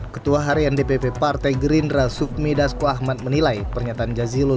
ketua harian dpp partai gerindra sufmi dasko ahmad menilai pernyataan jazilul